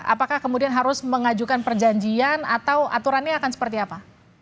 apakah kemudian harus mengajukan perjanjian atau aturannya akan seperti apa